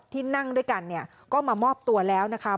ที่นั่งด้วยกันเนี่ยก็มามอบตัวแล้วนะคะ